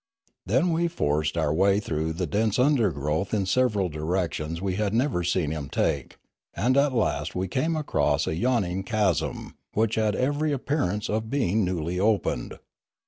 Then we forced our way through the dense undergrowth in several direc tions we had never seen him take; and at last we came upon a yawning chasm, which had every appearance of being newly opened.